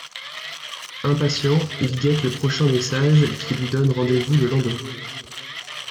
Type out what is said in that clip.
Impatient, il guette le prochain message qui lui donne rendez-vous le lendemain.